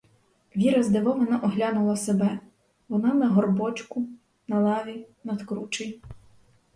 Віра здивовано оглянула себе: вона на горбочку, на лаві, над кручею.